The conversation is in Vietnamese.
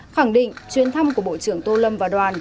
khẳng định chuyến thăm của bộ trưởng tô lâm và đoàn